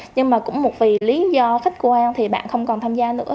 nhưng mà cũng một vì lý do khách quan thì bạn không còn tham gia nữa